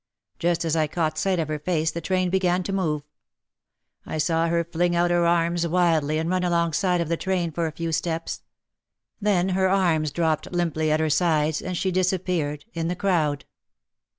Just as I caught sight of her face the train began to move. I saw her fling out her arms wildly and run alongside of the train for a few steps. Then her arms dropped limply at her sides and she disappeared in the crowd.